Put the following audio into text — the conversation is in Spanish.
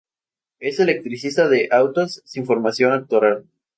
Es electricista de autos sin formación actoral.